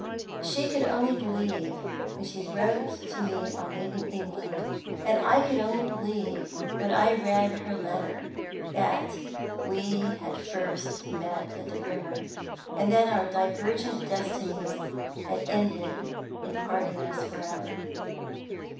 She could only believe when she wrote to me on leaving England and I could only believe when I read her letter that we had first met at the river, and that our divergent destinies had ended in parting us forever.